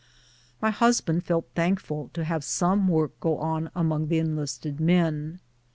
My husband felt thankful to liave some work go on among the enlisted men.